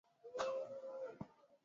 anya shughuli za ujasilia mali hasa